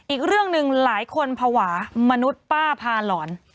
อีกเรื่องหนึ่งหลายคนภาวะมนุษย์ป้าพาหลอน